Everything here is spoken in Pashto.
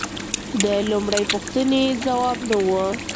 د لومړۍ پوښتنې ځواب نه و